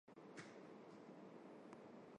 Նա ճանապարհորդում է հորիված տարածքով։